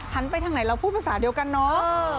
ไปทางไหนเราพูดภาษาเดียวกันเนาะ